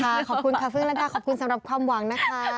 ค่ะขอบคุณค่ะฟึ้งแล้วค่ะขอบคุณสำหรับความหวังนะคะ